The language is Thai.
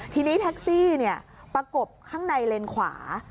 ทีนี้แท็กซี่ประกบข้างในเลนขวา